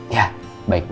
ya baik bu